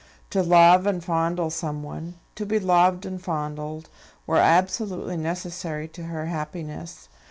To love and fondle someone, to be loved and fondled, were absolutely necessary to her happiness.